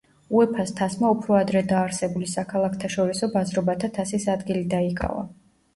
უეფა-ს თასმა უფრო ადრე დაარსებული საქალაქთაშორისო ბაზრობათა თასის ადგილი დაიკავა.